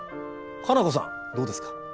可南子さんどうですか？